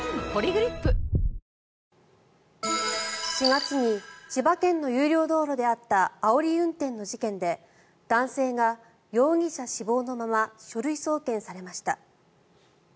４月に千葉県の有料道路であったあおり運転の事件で男性が容疑者死亡のまま書類送検されました。